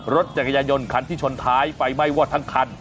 รถจักรยานยนต์คันที่ชนท้ายไฟไหม้วอดทั้งคัน